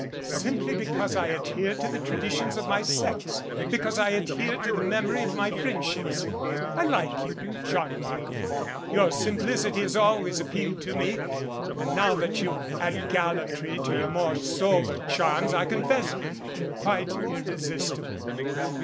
"Simply because I adhere to the traditions of my sex, because I adhere to the memory of my friendships. I like you, John Markham, your simplicity has always ap pealed to me. And now that you add gallantry to your more sober charms I confess you're quite irresistible."